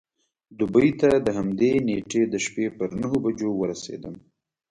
دوبۍ ته د همدې نېټې د شپې پر نهو بجو ورسېدم.